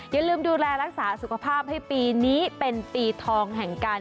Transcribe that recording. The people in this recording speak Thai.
อย่าลืมดูแลรักษาสุขภาพให้ปีนี้เป็นปีทองแห่งการ